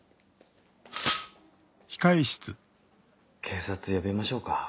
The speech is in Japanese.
警察呼びましょうか？